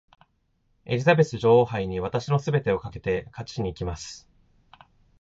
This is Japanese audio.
エリザベス女王杯に私の全てをかけて勝ちにいきます。